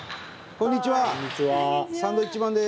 こんにちは。